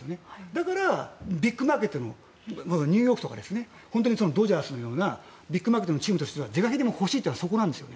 だから、ビッグマーケットのニューヨークとかドジャースのようなチームとしては是が非でも欲しいのはそこなんです。